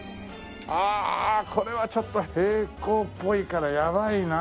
ああこれはちょっと平行っぽいからやばいな。